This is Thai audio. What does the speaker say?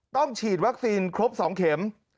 ต้องฉีดวัคซีนครบ๒เข็ม